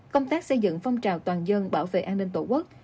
công tác xây dựng phong trào toàn dân bảo vệ an ninh tổ quốc